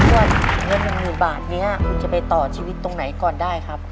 อ้วน๑หมื่นบาทเนี่ยคุณจะไปต่อชีวิตตรงไหนก่อนได้ครับ